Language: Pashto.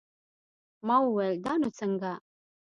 ما وويل دا نو څنگه.